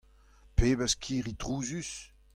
Pebezh kirri trouzus !